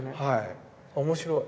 面白い。